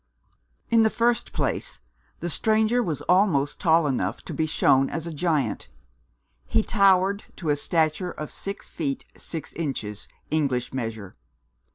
In the first place, the stranger was almost tall enough to be shown as a giant; he towered to a stature of six feet six inches, English measure.